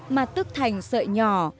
mà tước thành sợi nhỏ